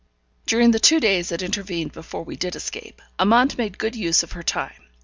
During the two days that intervened before we did escape, Amante made good use of her time.